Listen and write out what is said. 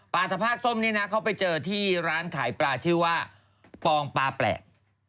สภาพส้มนี่นะเขาไปเจอที่ร้านขายปลาชื่อว่าปองปลาแปลก